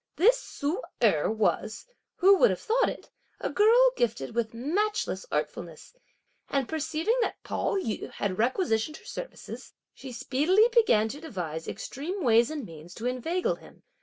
This Ssu Erh was, who would have thought it, a girl gifted with matchless artfulness, and perceiving that Pao yü had requisitioned her services, she speedily began to devise extreme ways and means to inveigle him.